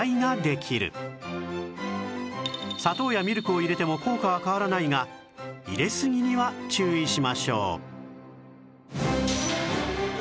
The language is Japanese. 砂糖やミルクを入れても効果は変わらないが入れすぎには注意しましょう